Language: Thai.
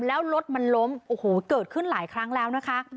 แล้วรถมันล้มโอ้โหเกิดขึ้นหลายครั้งแล้วนะคะ